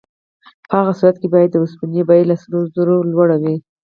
په هغه صورت کې باید د اوسپنې بیه له سرو زرو لوړه وای.